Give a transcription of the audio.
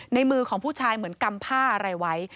ในมือของผู้ชายเหมือนกำผ้าอะไรไว้